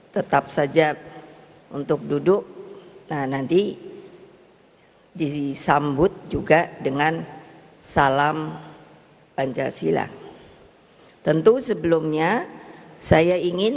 tetap saja untuk duduk nah nanti disambut juga dengan salam pancasila tentu sebelumnya saya ingin